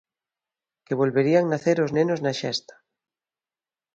Que volverían nacer os nenos na Xesta.